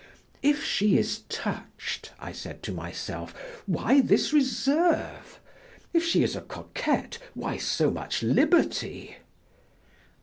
"If she is touched," I said to myself, "why this reserve? If she is a coquette, why so much liberty?"